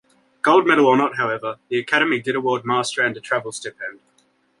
Gold medal or not however, the Academy did award Marstrand a travel stipend.